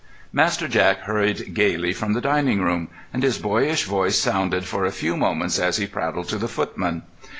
Master Jack hurried gaily from the dining room, and his boyish voice sounded for a few moments as he prattled to the footman.